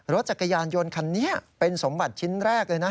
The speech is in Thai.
รถจักรยานยนต์คันนี้เป็นสมบัติชิ้นแรกเลยนะ